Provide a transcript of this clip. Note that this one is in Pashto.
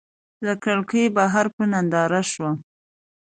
له کړکۍ بهر په ننداره شوم.